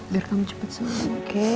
biar kamu cepet sekali oke